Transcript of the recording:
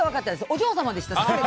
お嬢様でした。